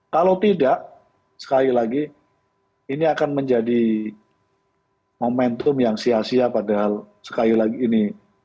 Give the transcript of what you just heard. kalau tidak sekali lagi ini akan menjadi momentum yang sia sia padahal sekali lagi ini